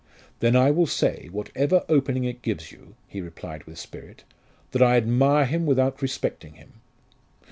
"Then I will say, whatever opening it gives you," he replied with spirit, "that I admire him without respecting him."